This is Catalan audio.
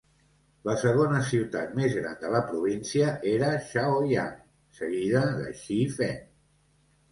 La segona ciutat més gran de la província era Chaoyang, seguida de Chifeng.